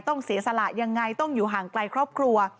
เสียสละยังไงต้องอยู่ห่างไกลครอบครัว